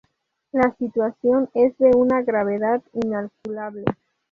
La situación es de una gravedad incalculable.